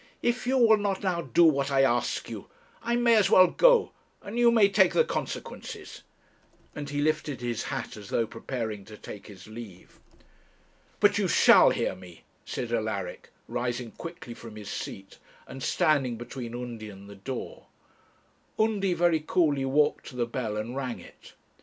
'If you will not now do what I ask you, I may as well go, and you may take the consequences;' and he lifted his hat as though preparing to take his leave. 'But you shall hear me,' said Alaric, rising quickly from his seat, and standing between Undy and the door. Undy very coolly walked to the bell and rang it.